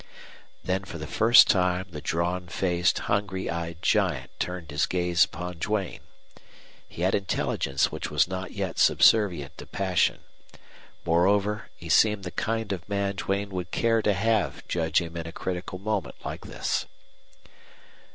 Then for the first time the drawn faced, hungry eyed giant turned his gaze upon Duane. He had intelligence which was not yet subservient to passion. Moreover, he seemed the kind of man Duane would care to have judge him in a critical moment like this.